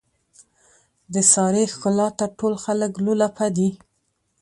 د سارې ښکلاته ټول خلک لولپه دي.